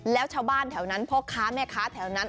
แล้วชาวบ้านแถวนั้นพ่อค้าแม่ค้าแถวนั้น